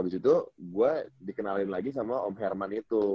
di situ gue dikenalin lagi sama om herman itu